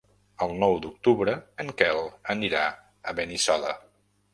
El nou d'octubre en Quel anirà a Benissoda.